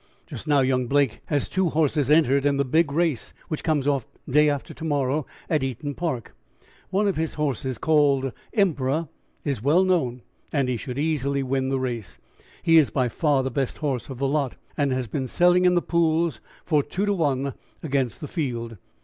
"Just now young Blake has two horses entered in the big race which comes off day after to morrow at Eaton Park. One of his horses, called Emperor, is well known, and he should easily win the race. He is by far the best horse of the lot, and has been selling in the pools for two to one against the field.